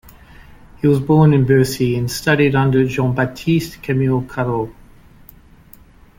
He was born in Bercy and studied under Jean-Baptiste-Camille Corot.